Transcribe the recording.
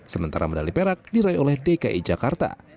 sementara medali perak diraih oleh dki jakarta